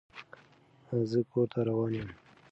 زه کور ته روان يم.